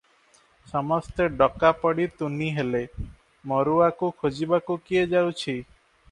ସମସ୍ତେ ଡକା ପଡ଼ି ତୁନି ହେଲେ, ମରୁଆକୁ ଖୋଜିବାକୁ କିଏ ଯାଉଛି?